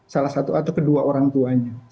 salah satu atau kedua orang tuanya